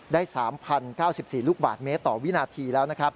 ได้๓๐๙๔ลูกบาทเมตรต่อวินาทีแล้วนะครับ